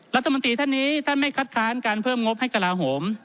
รัฐมนตรีท่านนี้ท่านไม่คัดค้านการเพิ่มงบให้กระลาโหม